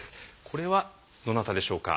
これはどなたでしょうか？